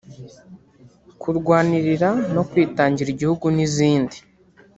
kurwanirira no kwitangira igihugu n’izindi